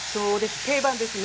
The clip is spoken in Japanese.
定番ですね。